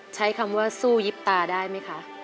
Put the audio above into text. ใช้คำว่าสู้ยิบตาได้ไหมคะ